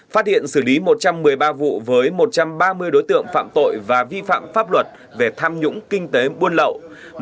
phát hiện xử lý một trăm một mươi ba vụ với một trăm ba mươi đối tượng phạm tội và vi phạm pháp luật về tham nhũng kinh tế buôn lậu